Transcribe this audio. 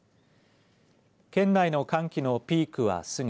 県内の寒気のピークは過ぎ